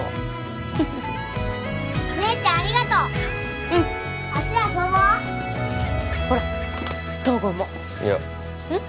フフフフ・お姉ちゃんありがとううんあっちで遊ぼうほら東郷もいやうん？